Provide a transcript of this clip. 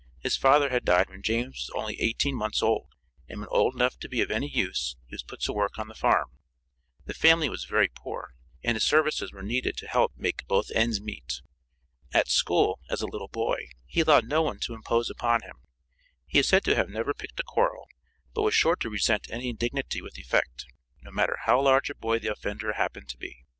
His father had died when James was only eighteen months old, and when old enough to be of any use he was put to work on the farm. The family was very poor, and his services were needed to help 'make both ends meet.' At school, as a little boy, he allowed no one to impose upon him. He is said to have never picked a quarrel, but was sure to resent any indignity with effect, no matter how large a boy the offender happened to be.